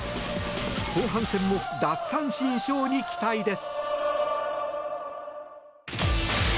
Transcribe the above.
後半戦も奪三振ショーに期待です。